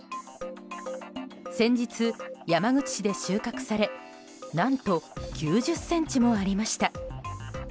先日、山口市で収穫され何と、９０ｃｍもありました。